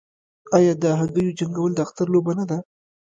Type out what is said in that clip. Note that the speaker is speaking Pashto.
آیا د هګیو جنګول د اختر لوبه نه ده؟